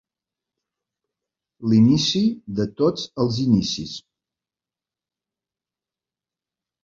L'inici de tots els inicis.